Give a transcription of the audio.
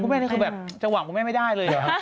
คุณแม่นี่คือแบบจะหวังคุณแม่นไม่ได้เลย